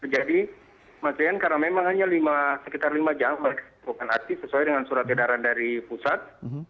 jadi masih karena memang hanya sekitar lima jam melakukan aksi sesuai dengan surat edaran dari pusat